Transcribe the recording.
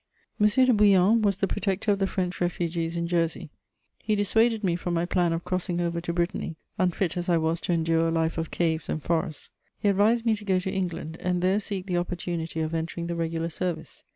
M. de Bouillon was the protector of the French refugees in Jersey: he dissuaded me from my plan of crossing over to Brittany, unfit as I was to endure a life of caves and forests; he advised me to go to England, and there seek the opportunity of entering the regular service.